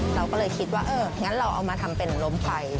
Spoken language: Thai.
เราก็เลยคิดว่าเอองั้นเราเอามาทำเป็นล้มไฟ